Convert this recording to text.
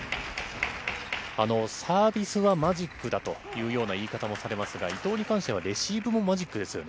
サービスはマジックだというような言い方もされますが、伊藤に関してはレシーブもマジックですよね。